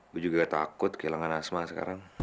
gue juga takut kehilangan asma sekarang